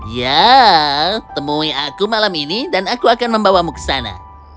ya temui aku malam ini dan aku akan membawamu ke sana